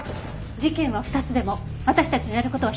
事件は２つでも私たちのやる事は１つよ。